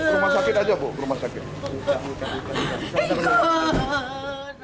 rumah sakit aja bu rumah sakit